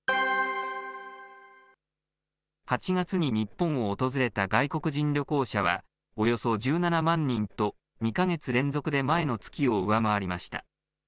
８月に日本を訪れた外国人旅行者は、およそ１７万人と、２か月連続で前の月を上回りました。